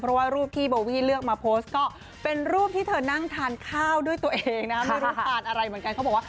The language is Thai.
เพราะว่ารูปที่เบาวี้เลือกมาโพสต์ก็เป็นรูปที่เธอนั่งทานข้าวด้วยตัวเองนะครับ